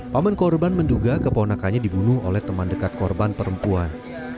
paman korban menduga keponakannya dibunuh oleh teman dekat korban perempuan